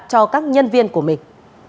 cho các nhân viên của mình